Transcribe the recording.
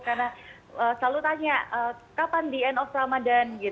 karena selalu tanya kapan the end of ramadan